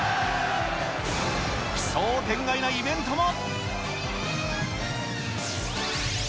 奇想天外なイベントも。